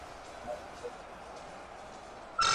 আমাদের কার্যকলাপের উপরই ভারতের ভবিষ্যৎ নির্ভর করিতেছে।